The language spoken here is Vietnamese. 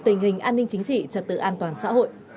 tình hình an ninh chính trị trật tự an toàn xã hội